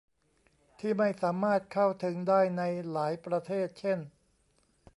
ที่ไม่สามารถเข้าถึงได้ในหลายประเทศเช่น